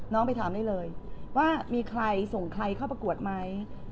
ไปถามได้เลยว่ามีใครส่งใครเข้าประกวดไหม